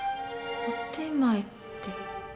お点前って。